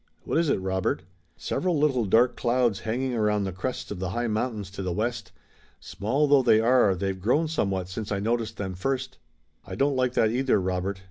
"What is it, Robert?" "Several little dark clouds hanging around the crests of the high mountains to the west. Small though they are, they've grown somewhat since I noticed them first." "I don't like that either, Robert.